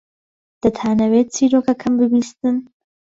دەتانەوێت چیرۆکەکەم ببیستن؟